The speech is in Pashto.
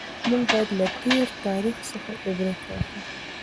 موږ باید له تېر تاریخ څخه عبرت واخلو.